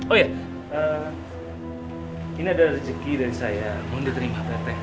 oh iya ini adalah rezeki dari saya mohon diterima pak rt